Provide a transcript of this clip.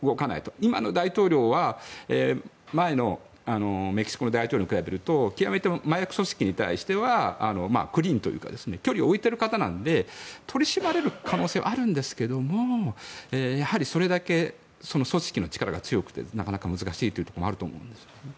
今の大統領は前のメキシコの大統領に比べると極めて麻薬組織に対してはクリーンというか距離を置いている方なので取り締まれる可能性はあるんですがやはりそれだけ組織の力が強くてなかなか難しいというところもあると思うんです。